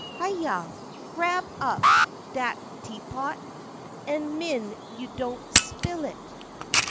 Hyah! Grab up dat teapot—an' min' yo' don' spill it—!